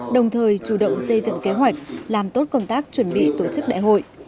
đồng thời chủ động xây dựng kế hoạch làm tốt công tác chuẩn bị tổ chức đại hội